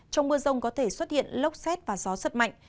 trong mưa rông có thể xuất hiện lốc xét và gió rất mạnh